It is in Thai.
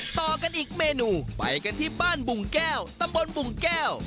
ต่อกันอีกเมนูไปกันที่บ้านบุ่งแก้วตำบลบุ่งแก้ว